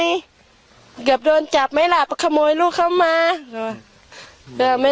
โอ้แฟนเขาไอ้ญาติพี่น้องเขาก็ถามว่าเป็นยังไง